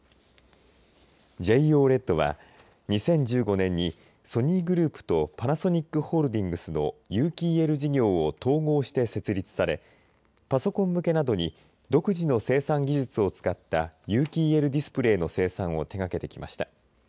ＪＯＬＥＤは２０１５年にソニーグループとパナソニックホールディングスの有機ＥＬ事業を統合して設立されパソコン向けなどに独自の生産技術を使った有機ＥＬディスプレーの生産を手がけてきました。